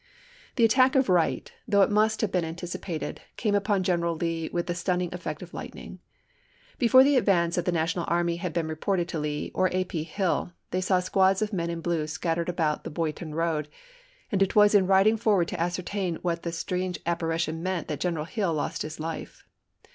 The attack of Wright, though it must have been anticipated, came upon General Lee with the stun ning effect of lightning. Before the advance of the National army had been reported to Lee or A. P. w H Hill, they saw squads of men in blue scattered about ^Four' the Boydton road, and it was in riding forward to ^GeneS*11 ascertain what the strange apparition meant that P.H9. General Hill lost his life.